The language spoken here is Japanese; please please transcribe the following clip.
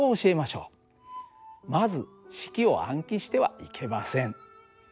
まず式を暗記してはいけません。